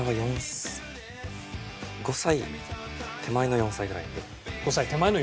５歳手前の４歳くらい。